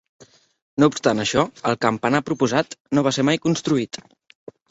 No obstant això, el campanar proposat no va ser mai construït.